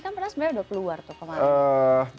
kan padahal sebenarnya udah keluar tuh kemarin